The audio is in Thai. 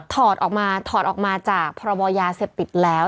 ถอดออกมาถอดออกมาจากพรบยาเสพติดแล้ว